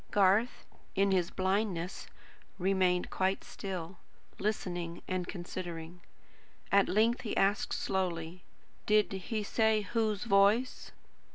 Garth, in his blindness, remained quite still; listening and considering. At length he asked slowly: "Did he say whose voice?"